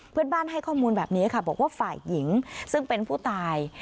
เพื่อนบ้านให้ข้อมูลแบบนี้ค่ะบอกว่าฝ่ายหญิงซึ่งเป็นผู้ตาย